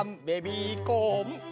ベビーコーン。